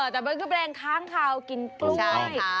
แต่มันก็แบรนด์ค้างขาวกินปล้วย